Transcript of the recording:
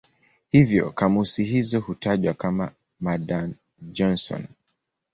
Hivyo kamusi hizo hutajwa kama "Madan-Johnson".